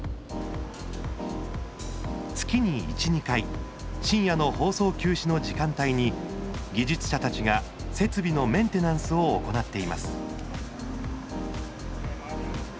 月に１、２回深夜の放送休止の時間帯に技術者たちが、設備のメンテナンスを行っています。